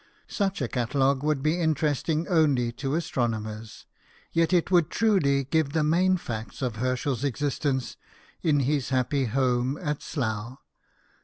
Such a catalogue would be interesting only to astronomers ; yet it would truly give the main facts of Herschel's existence in his happy home at Slough.